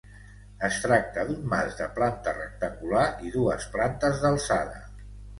Es tracta d'un mas de planta rectangular i dues plantes d'alçada.